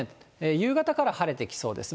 夕方から晴れてきそうです。